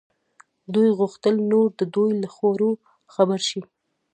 دوی غوښتل نور د دوی له خوړو خبر شي.